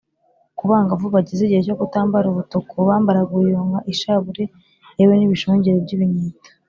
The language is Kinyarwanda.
ku bangavu bageze igihe cyo kutambara ubutuku, bambaraga uruyonga, ishabure yewe n’ibishogero by’ibinyita